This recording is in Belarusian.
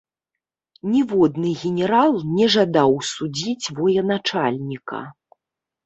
Ніводны генерал не жадаў судзіць военачальніка.